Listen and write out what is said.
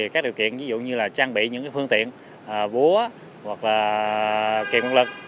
các điều kiện như trang bị những phương tiện vúa hoặc kiềm nguồn lực